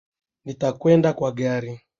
Nitakwenda kwa gari